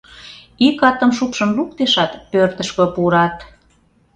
Ик атым шупшын луктешат, пӧртышкӧ пурат.